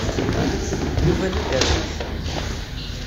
Yuba d adderwic.